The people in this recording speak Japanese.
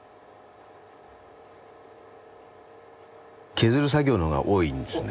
削る作業の方が多いんですね。